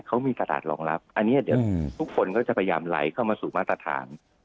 เขามีกระดาษรองรับอันนี้เดี๋ยวทุกคนก็จะพยายามไหลเข้ามาสู่มาตรฐาน